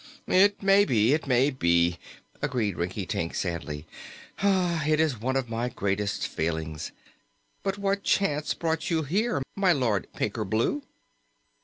"It may be it may be," agreed Rinkitink, sadly. "It is one of my greatest failings. But what chance brought you here, my Lord Pinkerbloo?"